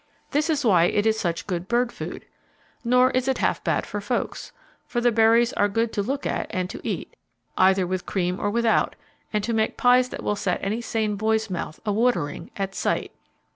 This is why it is such good bird food. Nor is it half bad for folks, for the berries are good to look at and to eat, either with cream or without, and to make pies that will set any sane boy's mouth a watering at sight."